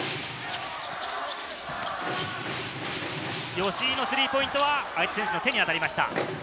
吉井のスリーポイントは相手選手の手に当たりました。